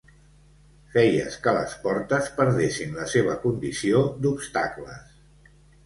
Feies que les portes perdessin la seva condició d'obstacles.